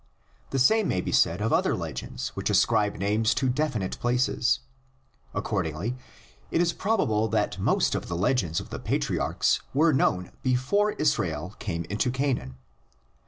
The same may be said of other legends which ascribe names to definite places. Accordingly it is probable that most of the legends of the patriarchs were known before Israel 92 THE LEGENDS OF GENESIS. came into Canaan.